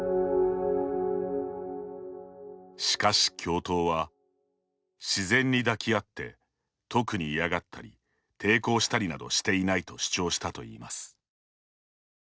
しかし教頭は「自然に抱き合って特に嫌がったり、抵抗したりなどしていない」と主張したといいます。